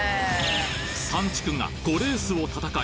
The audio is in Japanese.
３地区が５レースを戦い